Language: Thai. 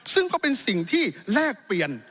ซึ่งก็เป็นสิ่งที่แลกเปลี่ยน